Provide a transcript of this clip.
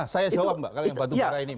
saya jawab mbak kalau yang batu bara ini